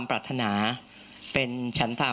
พักอันดับหนึ่งนะคะ